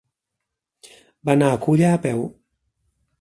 Va anar a Culla a peu.